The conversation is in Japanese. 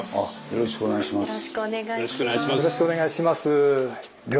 よろしくお願いします。